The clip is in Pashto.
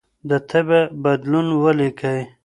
د تبه بدلون ولیکئ.